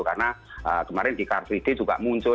karena kemarin di car tiga d juga muncul